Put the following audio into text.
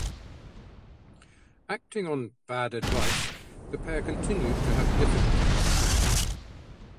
Acting on "bad advice", the pair continued to have difficulty with the company.